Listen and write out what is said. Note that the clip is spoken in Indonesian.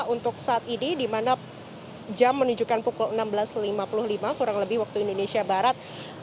untuk saat ini di mana jam menunjukkan pukul enam belas lima puluh lima kurang lebih waktu indonesia barat